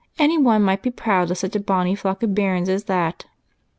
Anyone might be proud of such a bonny flock of bairns as that."